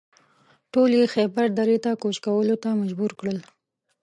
ټول یې خیبر درې ته کوچ کولو ته مجبور کړل.